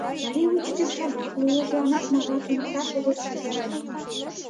Марий учитель шагал, улыжланат марла туныкташ огыт кӱштӧ ыле.